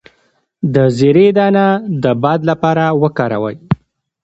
د زیرې دانه د باد لپاره وکاروئ